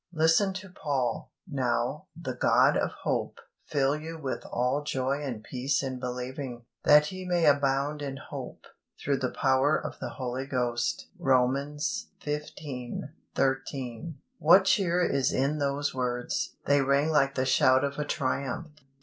Listen to Paul: "Now, the God of hope fill you with all joy and peace in believing, that ye may abound in hope, through the power of the Holy Ghost" (Romans xv. 13). What cheer is in those words! They ring like the shout of a triumph.